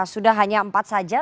sudah hanya empat saja